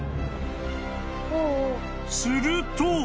［すると］